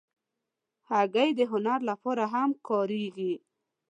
هګۍ د هنر لپاره هم کارېږي.